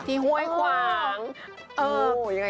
ที่หวยควาง